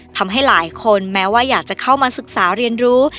ทำให้หลายคนแม้ว่าอยากจะเข้ามาศึกษาเรียนรู้